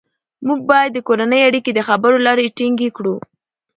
موږ باید د کورنۍ اړیکې د خبرو له لارې ټینګې کړو